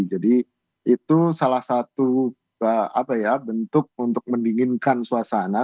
jadi itu salah satu bentuk untuk mendinginkan suasana